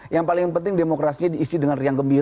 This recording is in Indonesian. yang paling penting demokrasinya diisi dengan riang gembira